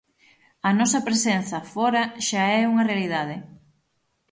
A nosa presenza fóra xa é unha realidade.